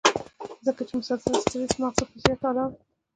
ځکه چې مسلسل سټرېس مازغۀ پۀ زيات الرټ